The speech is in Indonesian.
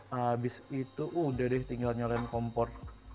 habis itu udah deh tinggal nyalain kompor